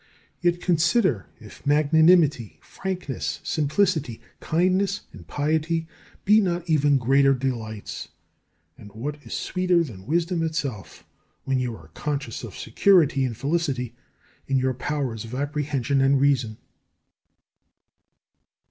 Yet consider if magnanimity, frankness, simplicity, kindness, and piety be not even greater delights. And what is sweeter than wisdom itself, when you are conscious of security and felicity in your powers of apprehension and reason?